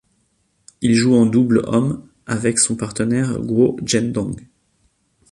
Il joue en double hommes avec son partenaire Guo Zhendong.